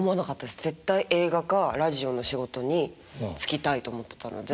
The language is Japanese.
絶対映画かラジオの仕事に就きたいと思ってたので。